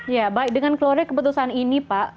ya baik dengan keluarnya keputusan ini pak